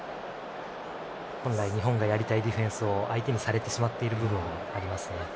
本来、日本がやりたいディフェンスを相手にされてしまっている部分がありますね。